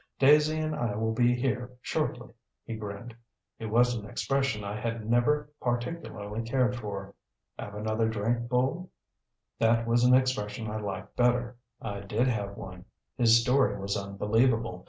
Daisy and I will be here shortly." He grinned. It was an expression I had never particularly cared for. "Have another drink, Bull." That was an expression I liked better. I did have one. His story was unbelievable.